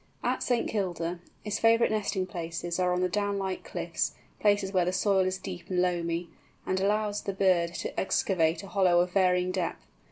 At St. Kilda, its favourite nesting places are on the downlike cliffs, places where the soil is deep and loamy, and allows the bird to excavate a hollow of varying depth.